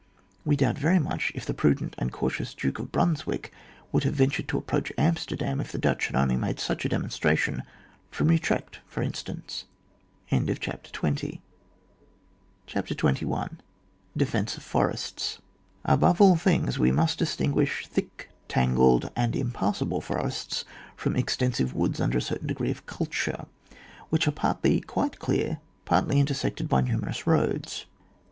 We doubt very much if the prudent and cautious duke of Brunswick would have ventured to ap proach Amsterdam if the Dutch had only made such a demonstration, from Utrecht for instance. CHAPTER XXL DEFENCE OF FORESTS. Above all things we must distinguish thick tangled and impassable forests from extensive woods under a certain degree of culture, which are partly quite clear, partly intersected by numerous roads.